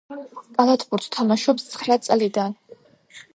კალათბურთს თამაშობს ცხრა წლიდან.